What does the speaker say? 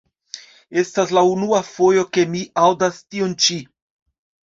Estas la unua fojo ke mi aŭdas tion ĉi.